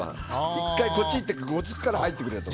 １回、こっち行ってこっちから入ってくれとか。